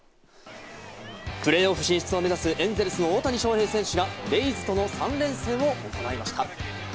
プレーオフ進出を目指すエンゼルスの大谷翔平選手がレイズとの３連戦を行いました。